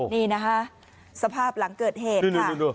นี่นะคะสภาพหลังเกิดเหตุค่ะ